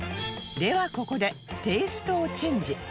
ではここでテイストをチェンジ